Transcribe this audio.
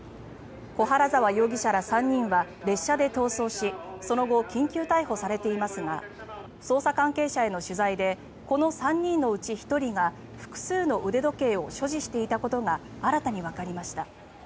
小原澤容疑者ら３人は列車で逃走しその後、緊急逮捕されていますが捜査関係者への取材でこの３人のうち１人が複数の腕時計を所持していたことが新たにわかりました。